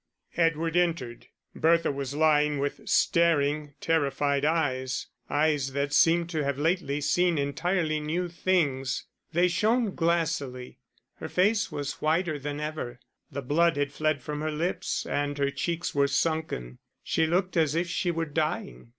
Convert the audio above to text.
Edward entered. Bertha was lying with staring, terrified eyes eyes that seemed to have lately seen entirely new things, they shone glassily. Her face was whiter than ever, the blood had fled from her lips, and her cheeks were sunken: she looked as if she were dying.